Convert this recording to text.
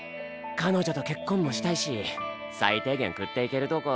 彼女と結婚もしたいし最低限食っていけるとこ。